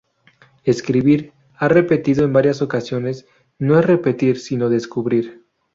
Escribir, ha repetido en varias ocasiones, no es repetir sino descubrir.